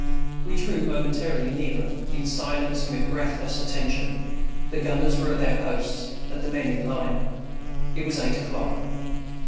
We drew momently nearer, in silence and with breathless attention. The gunners were at their posts, and the men in line. It was eight o'clock.